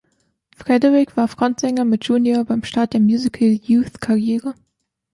Frederick war Frontsänger mit Junior beim Start der Musical Youth Karriere.